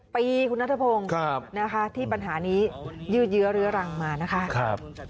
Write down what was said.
ปีคุณนัทพงศ์นะคะที่ปัญหานี้ยืดเยื้อเรื้อรังมานะคะ